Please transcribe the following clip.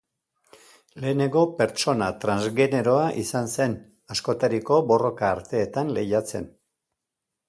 Lehenengo pertsona transgeneroa izan zen askotariko borroka-arteetan lehiatzen.